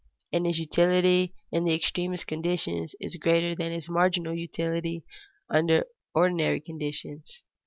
Its utility in the extremest conditions is greater than its marginal utility under ordinary conditions.